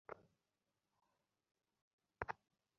তোমাদের কেউ কি ক্লাসে কুকুর নিয়ে খেলেছে?